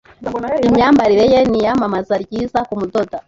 Imyambarire ye niyamamaza ryiza kumudoda.